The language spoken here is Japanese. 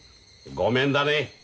ごめんだね。